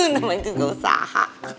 nama itu nggak usah